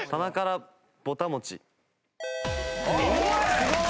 すごい！